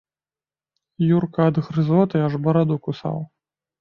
Юрка ад згрызоты аж бараду кусаў.